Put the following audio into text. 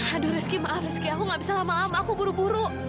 aduh rizky maaf rizki aku gak bisa lama lama aku buru buru